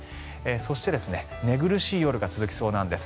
そして寝苦しい夜が続きそうなんです。